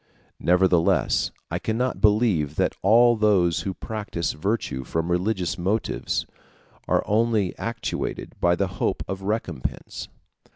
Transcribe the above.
Nevertheless I cannot believe that all those who practise virtue from religious motives are only actuated by the hope of a recompense.